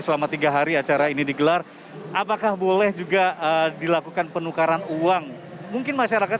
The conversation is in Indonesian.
selama tiga hari acara ini digelar apakah boleh juga dilakukan penukaran uang mungkin masyarakat